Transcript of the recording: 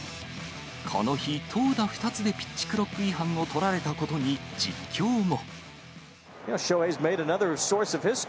この日、投打２つでピッチクロック違反を取られたことに、実況も。